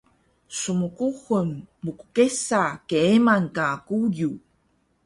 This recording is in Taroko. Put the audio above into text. Smkuxul mkkesa keeman ka quyu